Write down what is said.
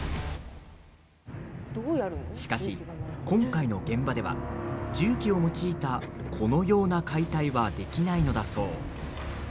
しかし、今回の現場では重機を用いた、このような解体はできないのだそう。